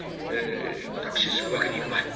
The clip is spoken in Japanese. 私するわけにいくまい。